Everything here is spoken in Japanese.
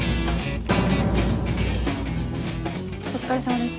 お疲れさまです。